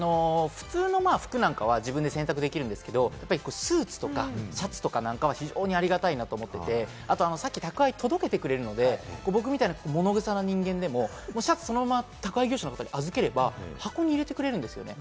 普通の服なんかは自分で洗濯できるんですけれども、スーツとかシャツとかなんかは非常にありがたいなと思ってて、後、さっき、宅配届けてくれるので、僕みたいな、ものぐさな人間でもシャツをそのまま宅配業者の方に預ければ、箱に入れてくれるんですよね。